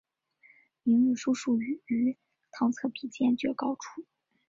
明日书数语于堂侧壁间绝高处。